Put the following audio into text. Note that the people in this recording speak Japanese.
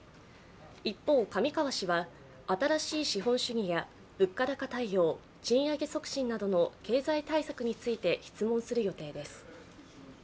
一方、上川氏は新し資本主義や物価高対応、賃上げ促進などの経済対策について質問する予定です。